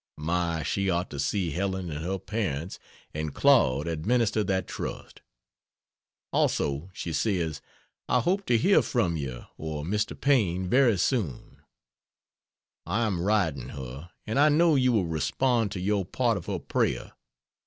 My, she ought to see Helen and her parents and Claude administer that trust! Also she says: "I hope to hear from you or Mr. Paine very soon." I am writing her, and I know you will respond to your part of her prayer.